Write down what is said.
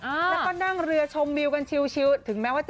แล้วก็นั่งเรือชมมิวกันชิว